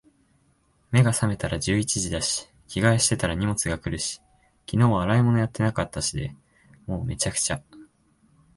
目が覚めたら十一時だし、着替えしてたら荷物が来るし、昨日は洗い物やってなかったしで……もう、滅茶苦茶。